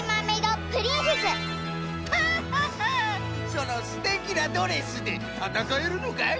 そのすてきなドレスでたたかえるのかい？